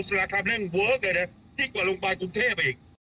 สิ่งที่ผมเล่นสด